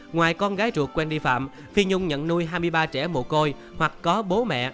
ngoài con gái ruột quen vi phạm phi nhung nhận nuôi hai mươi ba trẻ mồ côi hoặc có bố mẹ